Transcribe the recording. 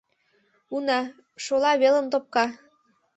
— Уна, шола велым топка.